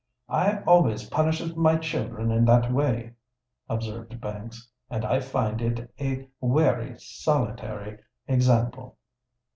"I always punishes my children in that way," observed Banks; "and I find it a wery sallitary example."